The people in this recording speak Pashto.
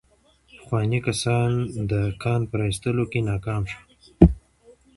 پخواني کسان د کان په را ايستلو کې ناکام شوي وو.